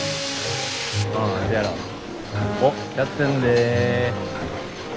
おっやってんで。